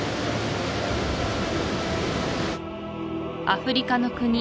アフリカの国